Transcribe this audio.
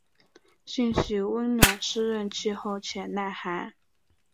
性喜温暖润湿气候且耐寒。